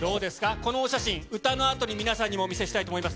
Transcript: このお写真、歌のあとに皆さんにもお見せしたいと思います。